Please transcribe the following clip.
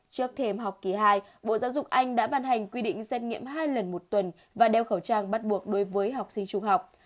trước thêm học kỳ hai bộ giáo dục anh đã ban hành quy định xét nghiệm hai lần một tuần và đeo khẩu trang bắt buộc đối với học sinh trung học